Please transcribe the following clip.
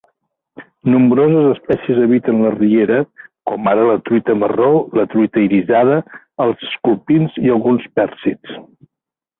Nombroses espècies habiten la riera, com ara la truita marró, la truita irisada, els "sculpins" i alguns pèrcids.